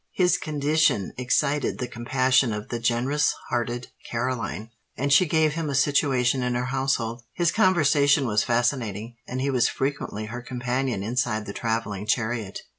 His condition excited the compassion of the generous hearted Caroline; and she gave him a situation in her household. His conversation was fascinating; and he was frequently her companion inside the travelling chariot.